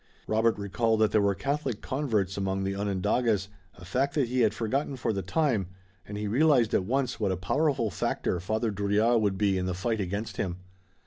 Robert recalled that there were Catholic converts among the Onondagas, a fact that he had forgotten for the time, and he realized at once what a powerful factor Father Drouillard would be in the fight against him.